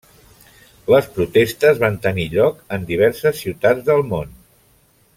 Les protestes van tenir lloc en diverses ciutats del món.